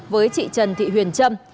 với chị trần thị huyền trâm